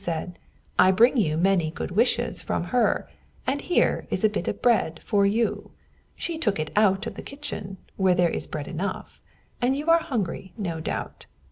said he. "I bring you a great many good wishes from her; and here is a bit of bread for you. She took it out of the kitchen, where there is bread enough, and you are hungry, no doubt.